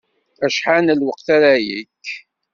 Acḥal n lweqt ara yekk?